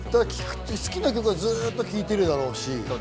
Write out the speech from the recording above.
好きな曲はずっと聴いているだろうし。